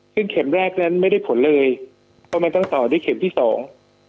ซึ่งเข็มแรกนั้นไม่ได้ผลเลยเพราะมันต้องต่อด้วยเข็มที่สอง